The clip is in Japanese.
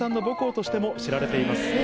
母校としても知られています。